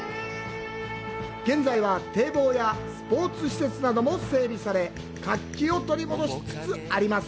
現在は、堤防やスポーツ施設なども整備され活気を取り戻しつつあります。